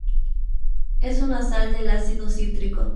Es una sal del ácido cítrico.